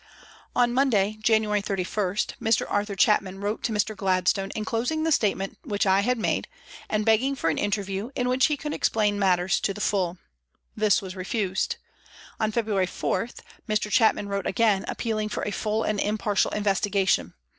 On Monday, January 31, Mr. Arthur Chapman wrote to Mr. Gladstone, enclosing the statement which I had made, and begging for an interview, in which he could explain matters to the full ; this was refused. On February 4 Mr. Chapman wrote again, appealing for a full and impartial investiga tion.